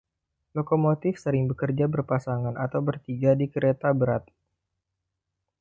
Lokomotif sering bekerja berpasangan atau bertiga di kereta berat.